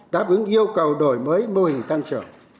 đáp ứng yêu cầu đổi mới mô hình tăng trưởng